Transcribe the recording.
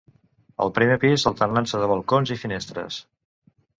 Al primer pis alternança de balcons i finestres.